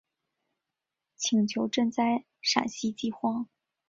请求赈灾陕西饥荒。